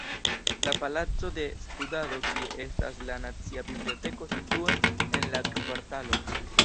La palaco de studado, kie estas la nacia biblioteko situas en la kvartalo.